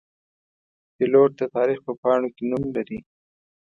پیلوټ د تاریخ په پاڼو کې نوم لري.